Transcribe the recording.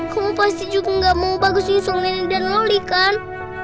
kamu pasti juga gak mau bagus instrumen dan loli kan